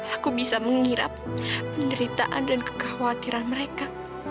aku bisa mengirap penderitaan dan kekhawatiran mereka